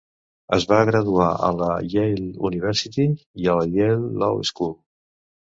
Es va graduar a la Yale University i a la Yale Law School.